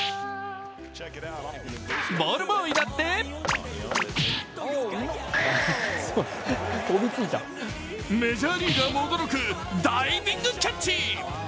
ボールボーイだってメジャーリーガーも驚くダイビングキャッチ。